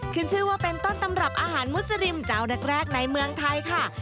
ขึ้นชื่อว่าเป็นต้นตำรับอาหารมุสลิมเจ้าแรกในเมืองไทยค่ะ